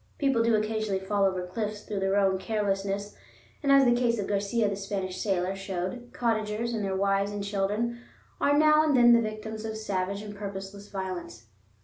People do occasionally fall over cliffs through their own carelessness, and as the case of Garcia, the Spanish sailor, showed, cottagers and their wives and children are now and then the victims of savage and purposeless violence.